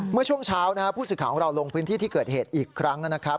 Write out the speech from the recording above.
เมื่อช่วงเช้าผู้สื่อข่าวของเราลงพื้นที่ที่เกิดเหตุอีกครั้งนะครับ